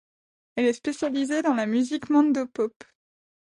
Elle est spécialisée dans la musique mandopop.